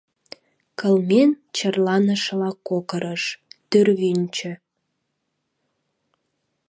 Кылмен черланышыла кокырыш, тӱрвынчӧ.